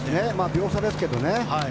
秒差ですけどね。